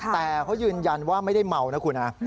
แต่เขายืนยันว่าไม่ได้เมานะคุณนะ